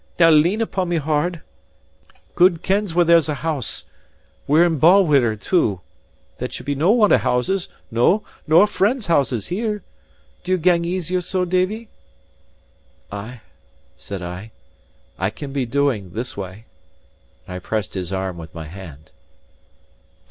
Now lean upon me hard. Gude kens where there's a house! We're in Balwhidder, too; there should be no want of houses, no, nor friends' houses here. Do ye gang easier so, Davie?" "Ay," said I, "I can be doing this way;" and I pressed his arm with my hand.